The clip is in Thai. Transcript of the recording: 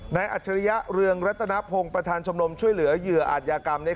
อัจฉริยะเรืองรัตนพงศ์ประธานชมรมช่วยเหลือเหยื่ออาจยากรรม